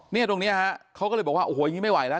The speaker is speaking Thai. เนี่ยตรงนี้ฮะเขาก็เลยบอกว่าโอ้โหอย่างนี้ไม่ไหวแล้ว